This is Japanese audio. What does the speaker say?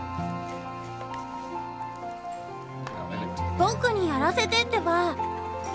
僕にやらせてってば。